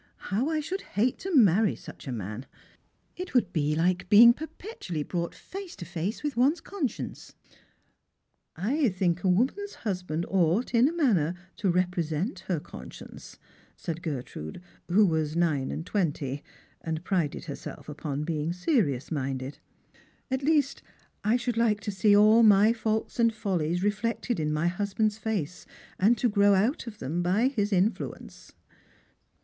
" How I should hate to marry such a man ! It would be like being perpetually brought face to face with one's conscience." " I think a woman's husband ought, in a manner, to represent her conscience," said Gertrude, who was nine and twenty, and prided herself upon being serious minded. " At least I should like to see all my faults and follies reflected in my husband's face, and to grow out of them by his influence."